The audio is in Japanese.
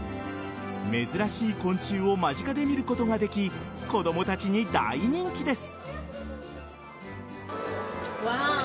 珍しい昆虫を間近で見ることができ子供たちに大人気です。